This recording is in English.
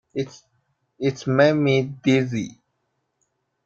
It made me dizzy.